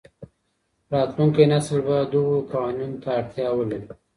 راتلونکی نسل به دغو قوانینو ته اړتیا ولري.